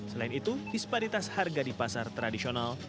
selain itu disparitas harga di pasar tradisional